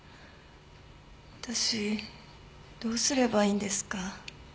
わたしどうすればいいんですか？